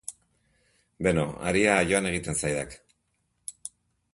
Beno, haria joan egiten zaidak.